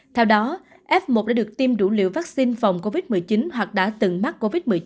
theo đó f một đã được tiêm đủ liều vaccine phòng covid một mươi chín hoặc đã từng mắc covid một mươi chín